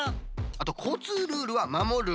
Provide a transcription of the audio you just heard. あとこうつうルールはまもる。